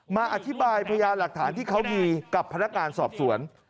มาอธิบายพยานหลักฐานที่เขามีกับพนักงานสอบสวน